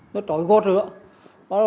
nó trói gót rồi đó